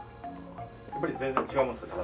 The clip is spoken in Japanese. やっぱり全然違いますか？